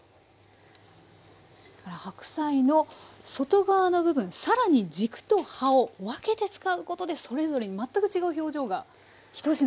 だから白菜の外側の部分更に軸と葉を分けて使うことでそれぞれに全く違う表情が一品で生まれるってことですね。